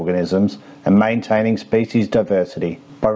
dan memperlindungi diversitas spesies